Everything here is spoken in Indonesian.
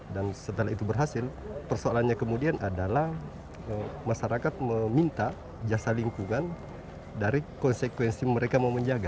dan setelah itu berhasil persoalannya kemudian adalah masyarakat meminta jasa lingkungan dari konsekuensi mereka mau menjaga